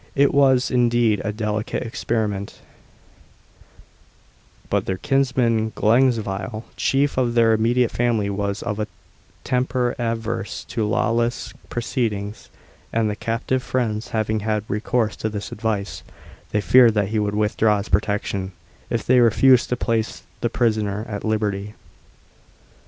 It was, indeed, a delicate experiment; but their kinsman Glengyle, chief of their immediate family, was of a temper averse to lawless proceedings;* and the captive's friends having had recourse to his advice, they feared that he would withdraw his protection if they refused to place the prisoner at liberty.